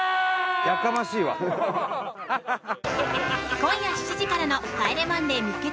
今夜７時からの「帰れマンデー見っけ隊！！」